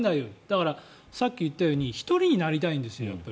だから、さっき言ったように１人になりたいんですよ。